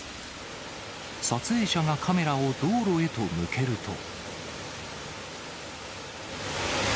撮影者がカメラを道路へと向けると。